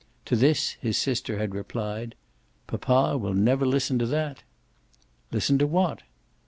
To this his sister had replied: "Papa will never listen to that." "Listen to what?"